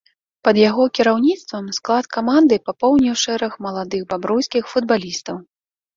Пад яго кіраўніцтвам склад каманды папоўніў шэраг маладых бабруйскіх футбалістаў.